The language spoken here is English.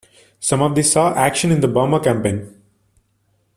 Some of these saw action in the Burma Campaign.